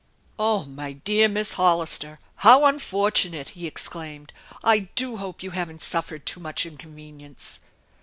" Oh, my dear Miss Hollister ! How unfortunate !" he exclaimed. "I do hope you haven't suffered too much inconvenience